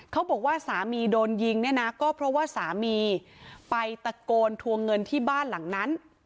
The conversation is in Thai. เขาบอกว่าสามีโดนยิงเนี่ยนะก็เพราะว่าสามีไปตะโกนทวงเงินที่บ้านหลังนั้น